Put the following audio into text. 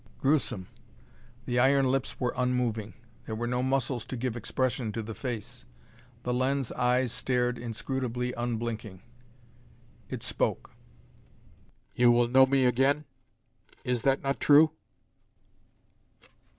Gruesome! The iron lips were unmoving. There were no muscles to give expression to the face: the lens eyes stared inscrutably unblinking. It spoke: "You will know me again? Is that not true?"